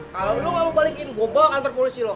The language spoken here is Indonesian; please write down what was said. kalau lu enggak mau balikin gue bawa kantor polisi lu